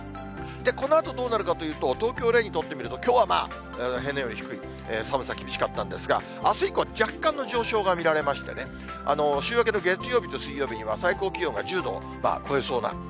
このあとどうなるかというと、東京を例に取ってみると、きょうはまあ、平年より低い、寒さ厳しかったんですが、あす以降は若干の上昇が見られましてね、週明けの月曜日と水曜日には、最高気温が１０度を超えそうな。